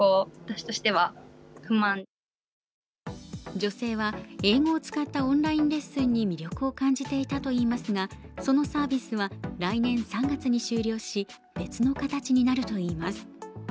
女性は英語を使ったオンラインレッスンに魅力を感じていたといいますがそのサービスは来年３月に終了し別の形になるといいます。